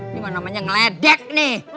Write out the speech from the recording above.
ini mau namanya ngeledek nih